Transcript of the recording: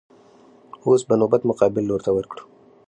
اوس به نوبت مقابل لور ته ورکړو.